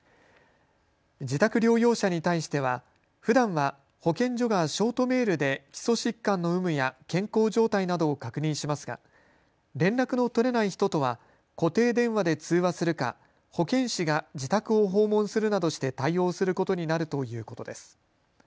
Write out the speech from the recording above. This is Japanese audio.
自宅療養者に対してはふだんは保健所がショートメールで基礎疾患の有無や健康状態などを確認しますが連絡の取れない人とは固定電話で通話するか保健師が自宅を訪問するなどして対応することになるということです。